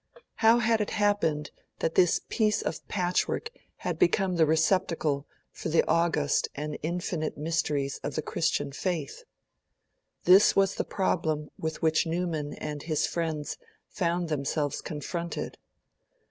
How had it happened that this piece of patchwork had become the receptacle for the august and infinite mysteries of the Christian Faith? This was the problem with which Newman and his friends found themselves confronted.